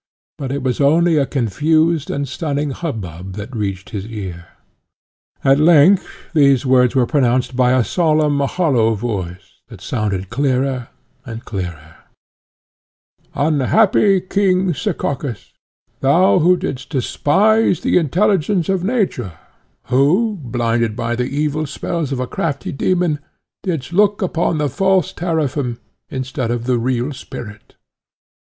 But it was only a confused and stunning hubbub that reached his ear. At length these words were pronounced by a solemn, hollow voice, that sounded clearer and clearer, "Unhappy king, Sekakis, thou who didst despise the intelligence of nature, who, blinded by the evil spells of a crafty demon, didst look upon the false Teraphim, instead of the real spirit!